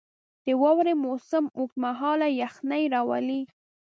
• د واورې موسم اوږد مهاله یخني راولي.